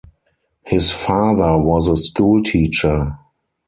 His father was a schoolteacher.